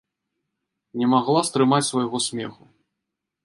Не магла стрымаць свайго смеху.